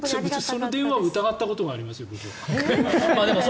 その電話を疑ったことがありますよ。